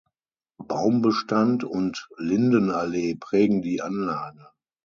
Baumbestand und Lindenallee prägen die Anlage.